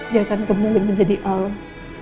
dia akan kembali menjadi allah